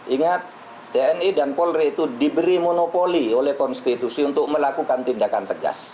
ingat tni dan polri itu diberi monopoli oleh konstitusi untuk melakukan tindakan tegas